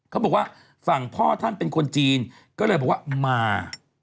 เขาบอกว่าฝั่งพ่อท่านเป็นคนจีนก็เลยบอกว่ามา